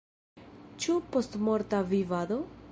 Ĉu postmorta vivado?